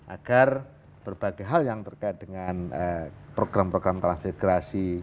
agar berbagai hal yang terkait dengan program program transmigrasi